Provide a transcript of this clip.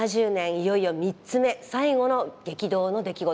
いよいよ３つ目最後の激動の出来事です。